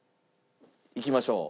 いきましょう。